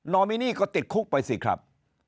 อมินีก็ติดคุกไปสิครับ